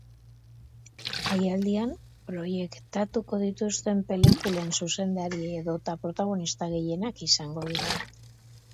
Jaialdian, proiektatuko dituzten pelikulen zuzendari edota protagonista gehienak izango dira.